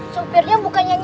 supirnya bukannya ini